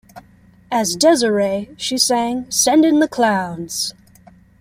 As Desiree she sang "Send In The Clowns".